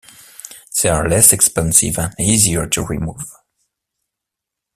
They are less expensive and easier to remove.